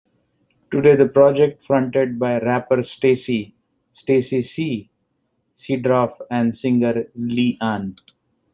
Today the project is fronted by rapper Stacey "Stay-C" Seedorf and singer Li Ann.